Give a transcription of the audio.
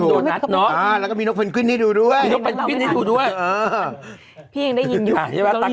แล้วเราก็จะต้องไปกินช็อคโกแลตทันเดยกับดังกินโดนัส